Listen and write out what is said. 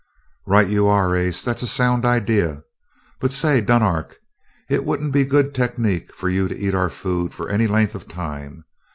"Right you are, ace that's a sound idea. But say, Dunark, it wouldn't be good technique for you to eat our food for any length of time.